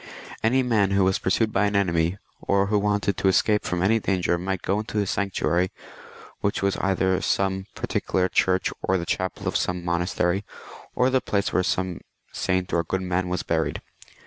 Any man who was pursued by an enemy, or who wanted to escape from any danger, might go into a sanctuary, which was either some particular church or the chapel of some mon astery, or the place where some saint or good man was buried.